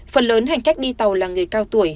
phần lớn hành khách đi tàu là người cao tuổi